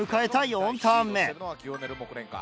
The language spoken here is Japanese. ４ターン目。